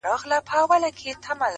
څنگه دې هر صفت پر گوتو باندې وليکمه _